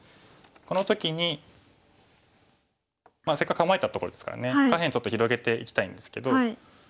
この時にせっかく構えたところですからね下辺ちょっと広げていきたいんですけど。